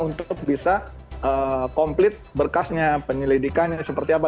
untuk bisa komplit berkasnya penyelidikannya seperti apa